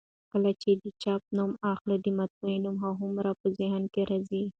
کله چي د چاپ نوم اخلو؛ د مطبعې نوم هرومرو په ذهن کي راځي.